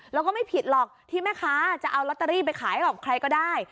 แล้วก็ไม่ผิดหรอกที่แม่ค้าจะเอาลอตเตอรี่ไปขายให้กับใครก็ได้